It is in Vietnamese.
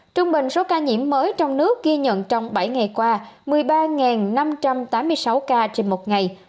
trung bình số ca nhiễm mới trong nước ghi nhận trong bảy ngày qua một mươi ba năm trăm tám mươi sáu ca trên một ngày